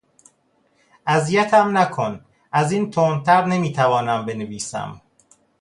اذیتم نکن! از این تندتر نمیتوانم بنویسم!